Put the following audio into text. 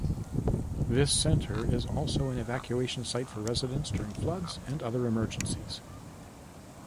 This center is also an evacuation site for residents during floods or other emergencies.